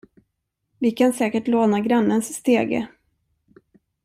Vi kan säkert låna grannens stege!